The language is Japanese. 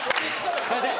すいません！